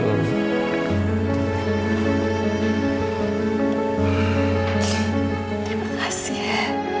terima kasih ya